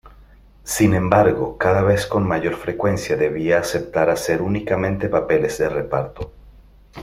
Sin embargo, cada vez con mayor frecuencia debía aceptar hacer únicamente papeles de reparto.